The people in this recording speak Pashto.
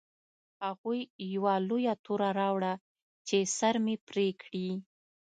هغوی یوه لویه توره راوړه چې سر مې پرې کړي